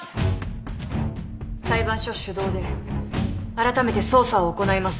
裁判所主導であらためて捜査を行います。